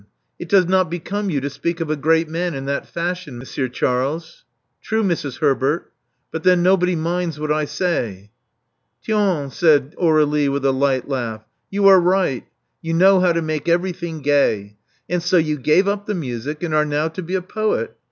It does not become you to speak of a great man in that fashion. Monsieur Charles." True, Mrs. Herbert. But then nobody minds what I say." '^Tiens!'* said Aur61ie, with a light laugh. You are right. You know how to make everything gay. And so you gave up the music, and are now to be a poet.